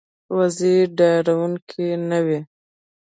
وزې ډارېدونکې نه وي